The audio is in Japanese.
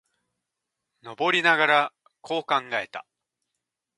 登りながら、こう考えた。